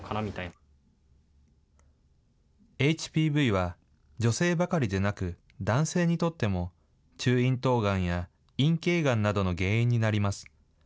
ＨＰＶは、女性ばかりでなく、男性にとっても、中咽頭がんや陰茎がんなどの原因になります。